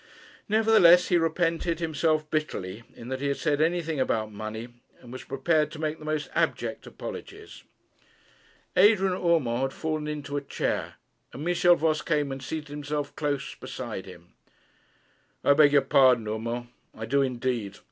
Nevertheless, he repented himself bitterly in that he had said anything about money, and was prepared to make the most abject apologies. Adrian Urmand had fallen into a chair, and Michel Voss came and seated himself close beside him. 'I beg your pardon, Urmand; I do indeed.